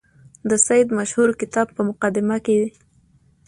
د سید مشهور کتاب په مقدمه کې.